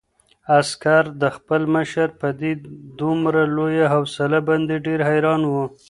عسکر د خپل مشر په دې دومره لویه حوصله باندې ډېر حیران و.